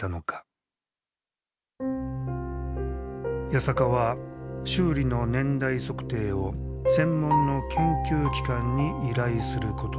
八坂は修理の年代測定を専門の研究機関に依頼することにした。